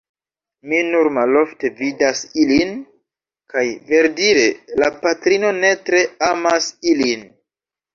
Mi nur malofte vidas ilin; kaj, verdire, la patrino ne tre amas ilin.